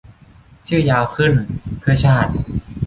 ชื่อยาวขึ้น เพื่อชาติ !